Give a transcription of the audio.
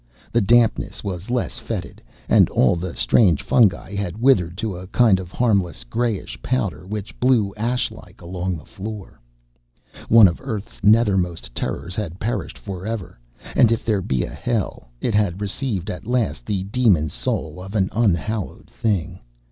The dampness was less fetid, and all the strange fungi had withered to a kind of harmless grayish powder which blew ash like along the floor. One of earth's nethermost terrors had perished for ever; and if there be a hell, it had received at last the demon soul of an unhallowed thing.